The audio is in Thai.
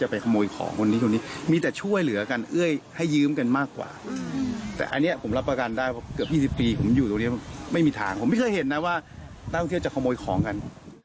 ผมไม่เคยเห็นนะว่านักท่องเที่ยวจะขโมยของกัน